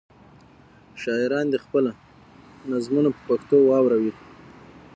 شاعران دې خپلې نظمونه په پښتو واوروي.